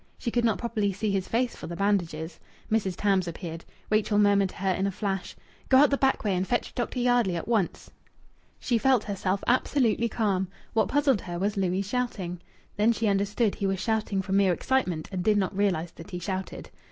She could not properly see his face for the bandages. Mrs. Tams appeared. Rachel murmured to her in a flash "Go out the back way and fetch Dr. Yardley at once." She felt herself absolutely calm. What puzzled her was Louis' shouting. Then she understood he was shouting from mere excitement and did not realize that he shouted.